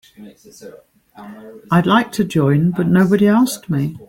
I'd like to join but nobody asked me.